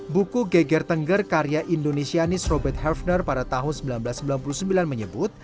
buku geger tengger karya indonesianis robert harvener pada tahun seribu sembilan ratus sembilan puluh sembilan menyebut